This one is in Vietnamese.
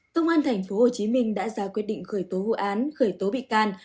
cơ quan tp hcm đã ra quyết định khởi tố vụ án khởi tố bị can